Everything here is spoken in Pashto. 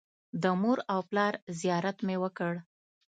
د مور او پلار زیارت مې وکړ.